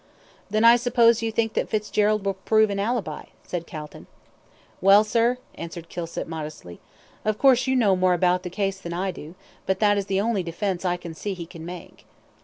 "Then, I suppose, you think that Fitzgerald will prove an ALIBI," said Calton. "Well, sir," answered Kilsip, modestly, "of course you know more about the case than I do, but that is the only defence I can see he can make."